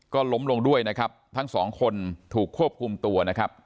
ก็ล้มลงด้วยนะครับทั้งสองคนถูกควบคุมตัวนะครับ